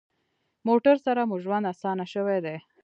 موټر سره مو ژوند اسانه شوی دی.